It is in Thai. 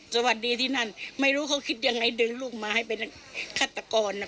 สวัสดีที่นั่นไม่รู้เขาคิดยังไงดึงลูกมาให้เป็นฆาตกรน่ะ